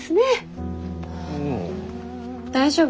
大丈夫。